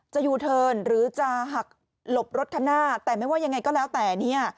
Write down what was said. จะอยู่เทินหรือจะหักหลบรถข้างหน้าแต่ไม่ว่ายังไงก็แล้วแต่นี่